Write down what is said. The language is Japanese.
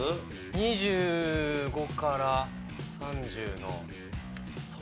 ２５から３０のソロ。